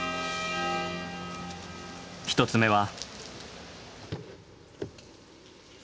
１つ目は。